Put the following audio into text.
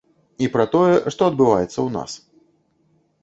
І пра тое, што адбываецца ў нас.